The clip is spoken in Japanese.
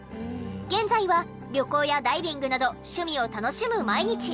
現在は旅行やダイビングなど趣味を楽しむ毎日。